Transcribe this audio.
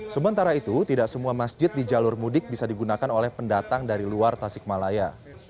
sementara itu tidak semua masjid di jalur mudik bisa digunakan oleh pendatang dari luar tasikmalaya